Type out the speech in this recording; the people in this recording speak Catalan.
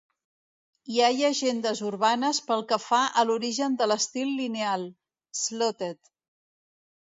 Hi ha llegendes urbanes pel que fa a l'origen de l'estil lineal (slotted).